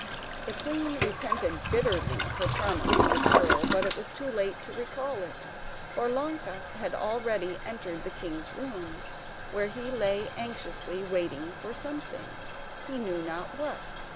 The queen repented bitterly her promise to the girl, but it was too late to recall it; for Ilonka had already entered the king's room, where he lay anxiously waiting for something, he knew not what.